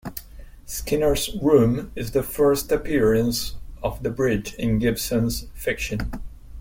"Skinner's Room" is the first appearance of the Bridge in Gibson's fiction.